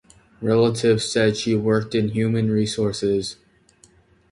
Relatives said she worked in human resources.